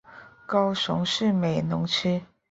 高雄市美浓区